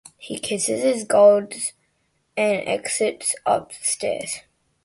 He kisses his gold and exits up the stairs.